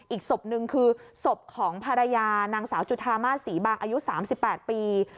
อีกศพหนึ่งคือศพของภรรยานางสาวจุธามาสศรีบางอายุ๓๘ปี